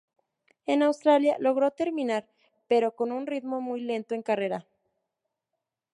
En Australia logró terminar, pero con un ritmo muy lento en carrera.